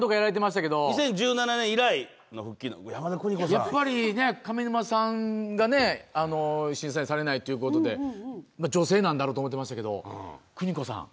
やっぱり上沼さんがね、審査員をされないということで、女性なんだろうと思ってましたけど、邦子さん。